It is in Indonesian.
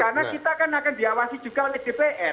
karena kita akan diawasi juga oleh dpr